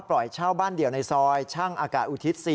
ปล่อยเช่าบ้านเดี่ยวในซอยช่างอากาศอุทิศ๔